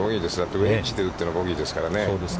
ウェッジで打ってのボギーですからね。